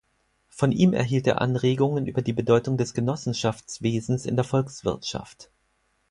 Von ihm erhielt er Anregungen über die Bedeutung des Genossenschaftswesens in der Volkswirtschaft.